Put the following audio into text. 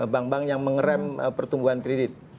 bank bank yang mengerem pertumbuhan kredit